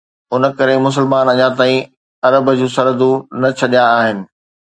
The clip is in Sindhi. ان ڪري مسلمان اڃا تائين عرب جون سرحدون نه ڇڏيا هئا.